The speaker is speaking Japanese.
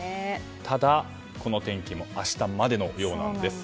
ただ、この天気も明日までのようなんです。